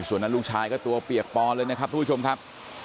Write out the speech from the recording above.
ส่วนนั้นลูกชายก็ตัวเปียกปอนเลยนะครับทุกผู้ชมครับ